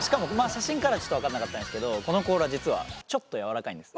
写真からはちょっと分かんなかったですけどこの甲羅実はちょっと柔らかいんです。